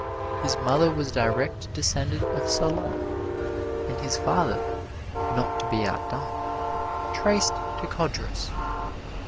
His mother was a direct descendant of Solon, and his father, not to be outdone, traced to Codrus.